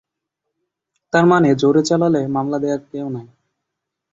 তার মানে জোরে চালালে মামলা দেয়ার কেউ নেই।